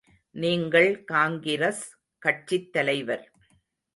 நீங்கள் காங்கிரஸ் கட்சித் தலைவர்.